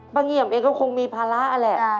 ปังเงียมเองก็คงมีภาระนั่นแหละ